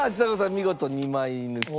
見事２枚抜き成功。